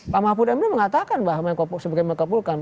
pak mahapudana dulu mengatakan bahwa sebagai mekapulkan